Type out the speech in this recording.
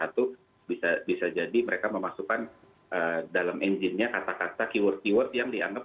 atau bisa jadi mereka memasukkan dalam engine nya kata kata keyword keyword yang dianggap